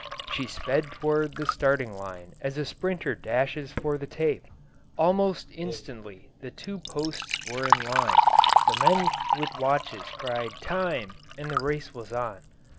She sped toward the starting line as a sprinter dashes for the tape; almost instantly the two posts were in line, the men with watches cried "Time!" and the race was on.